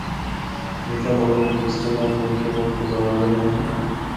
جتھا لوگ ہک دوسرے نال مل کے وقت گزاردے ہن۔